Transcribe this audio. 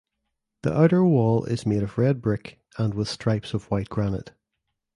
The outer wall is made of red brick and with stripes of white granite.